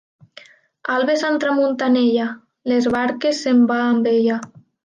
Albes amb tramuntanella, les barques se'n van amb ella.